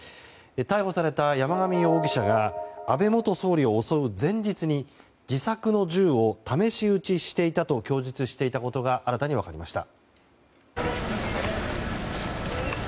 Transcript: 逮捕された山上容疑者が安倍元総理を襲う前日に自作の銃を試し撃ちしていたと供述していたことが新たに分かりました。